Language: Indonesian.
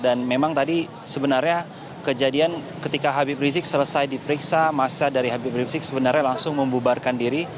dan memang tadi sebenarnya kejadian ketika habib rizik selesai diperiksa masa dari habib rizik sebenarnya langsung membubarkan diri